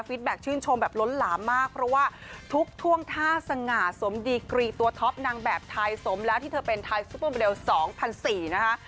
แก๊ชื่นชมแบบล้นหลามมากเพราะว่าทุกท่วงท่าสง่าสมดีกรีตัวท็อปนางแบบไทยสมแล้วที่เธอเป็นไทยซุปเปอร์เบล๒๐๐๔๐๐นะคะ